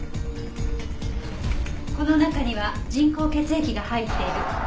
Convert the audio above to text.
この中には人工血液が入っている。